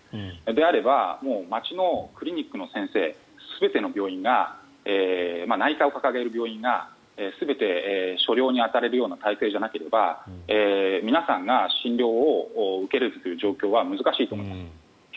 であれば街のクリニックの先生全ての病院が内科を掲げる病院が全て初療に当たれるような体制じゃなければ皆さんが診療を受けれる状況は難しいと思います。